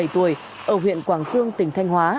hai mươi bảy tuổi ở huyện quảng xương tỉnh thanh hóa